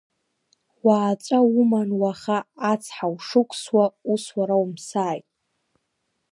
Уааҵәа уман уаха ацҳа ушықәсуа, ус уара умсааит!